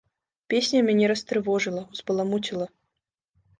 Песня мяне растрывожыла, узбаламуціла.